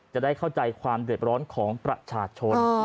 จะได้เข้าใจความเดือดร้อนของประชาชน